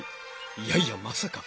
いやいやまさか。